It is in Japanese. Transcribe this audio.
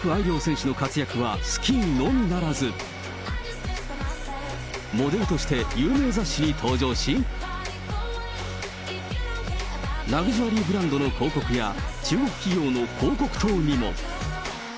凌選手の活躍はスキーのみならず、モデルとして有名雑誌に登場し、ラグジュアリーブランドの広告や、中国企業の広告塔にも。